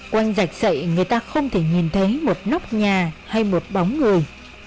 quanh rạch sậy người ta không thể nhìn thấy một nóc nhà hay một bóng người